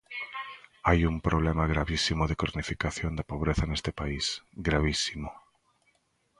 Hai un problema gravísimo de cronificación da pobreza neste país, gravísimo.